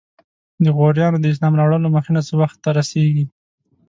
د غوریانو د اسلام راوړلو مخینه څه وخت ته رسیږي؟